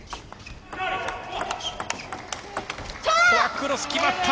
クロス、決まった！